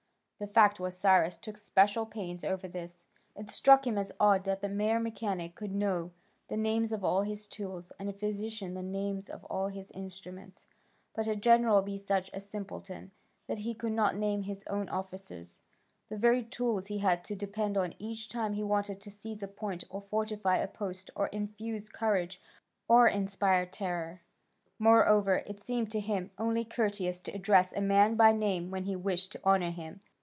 The fact was Cyrus took special pains over this: it struck him as odd that a mere mechanic could know the names of all his tools, and a physician the names of all his instruments, but a general be such a simpleton that he could not name his own officers, the very tools he had to depend on each time he wanted to seize a point or fortify a post or infuse courage or inspire terror. Moreover it seemed to him only courteous to address a man by name when he wished to honour him.